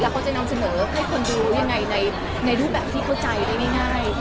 เขาจะนำเสนอให้คนดูยังไงในรูปแบบที่เข้าใจได้ง่าย